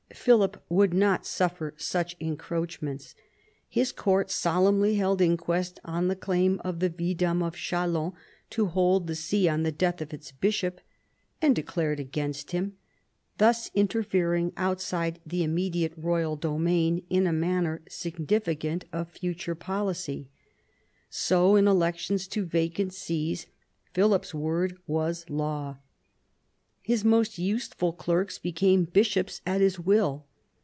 Philip would not suffer such en croachments. His court solemnly held inquest on the claim of the vidame of Chalons to hold the see on the death of its bishop and declared against him, thus interfering outside the immediate royal domain in a manner significant of future policy. So in elections to vacant sees Philip's word was law. His most useful clerks became bishops at his will.